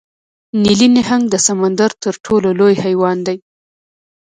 نیلي نهنګ د سمندر تر ټولو لوی حیوان دی